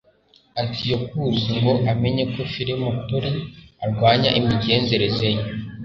antiyokusi ngo amenye ko filometori arwanya imigenzereze ye